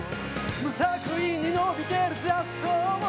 無作為に伸びてる雑草も